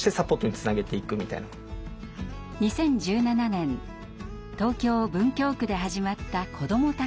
２０１７年東京・文京区で始まった「こども宅食」。